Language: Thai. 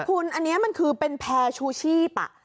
คุณอันนี้มันคือเป็นแพร่ชูชีพ